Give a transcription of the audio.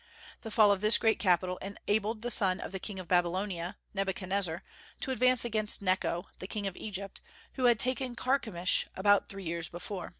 The fall of this great capital enabled the son of the king of Babylonia, Nebuchadnezzar, to advance against Necho, the king of Egypt, who had taken Carchemish about three years before.